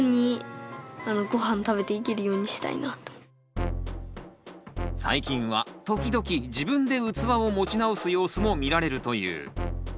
やっぱり最近は時々自分で器を持ち直す様子も見られるという。